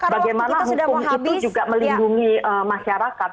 bagaimana hukum itu juga melindungi masyarakat